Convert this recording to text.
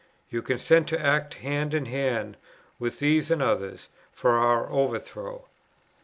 You consent to act hand in hand [with these and others] for our overthrow.